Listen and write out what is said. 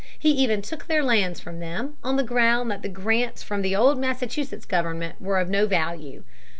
He even took their lands from them, on the ground that the grants from the old Massachusetts government were of no value.